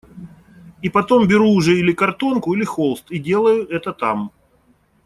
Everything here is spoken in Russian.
И потом беру уже или картонку, или холст, и делаю это там.